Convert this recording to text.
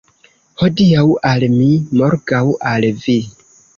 Hodiaŭ al mi, morgaŭ al vi.